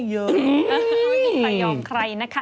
ไม่ใช่สัยยอมใครนะคะ